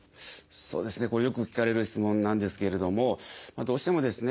そうですねこれよく聞かれる質問なんですけれどもどうしてもですね